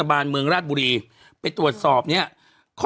แผดท้าว๐๖ปัตตานีว่ะ